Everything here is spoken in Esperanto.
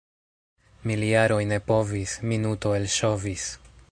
Miljaroj ne povis — minuto elŝovis.